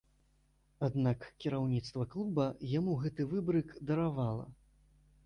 Аднак кіраўніцтва клуба яму гэты выбрык даравала.